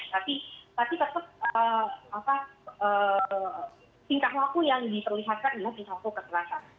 tapi tetap tingkah laku yang diperlihatkan adalah tingkah kekerasan